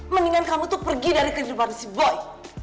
mendingan kamu tuh pergi dari kehidupan si boy